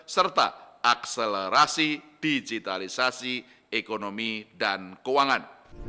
serta akselerasi digitalisasi ekonomi dan keuangan